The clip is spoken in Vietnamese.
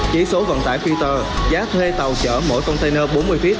chỉ số vận tải peter giá thuê tàu chở mỗi container bốn mươi feet